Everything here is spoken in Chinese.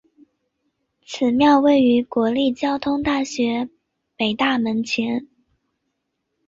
此庙位于国立交通大学北大门前。